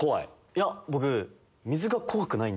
いや僕。